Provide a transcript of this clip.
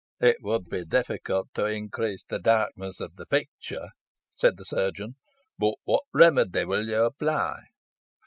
"It would be difficult to increase the darkness of the picture," said the chirurgeon; "but what remedy will you apply?"